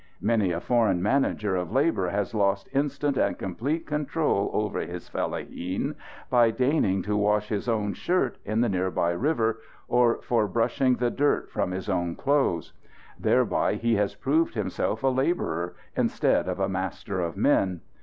Many a foreign manager of labour has lost instant and complete control over his fellaheen by deigning to wash his own shirt in the near by river or for brushing the dirt from his own clothes. Thereby he has proved himself a labourer, instead of a master of men.